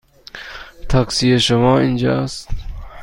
تاکسی شما اینجا است.